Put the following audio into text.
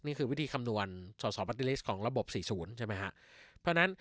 นี่คือวิธีคำนวณสอสอบัตตี้ลิสต์ของระบบ๔๐ใช่ไหมฮะเพราะฉะนั้น